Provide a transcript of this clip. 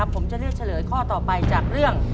ผมจะเลือกเฉลยข้อต่อไปจากเรื่อง